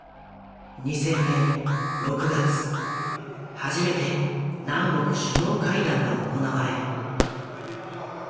初めて南北首脳会談が行われ。